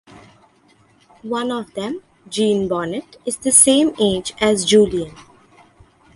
One of them, Jean Bonnet, is the same age as Julien.